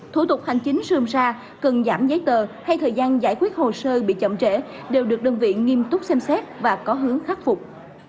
thủ tục hành chính sơm xa cần giảm giấy tờ hay thời gian giải quyết hồ sơ bị chậm trễ đều được đơn vị nghiêm túc xem xét và có hướng khắc phục